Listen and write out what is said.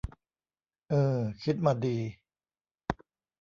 อือ คิดมาดี